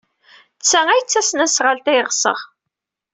D ta ay d tasnasɣalt ay ɣseɣ.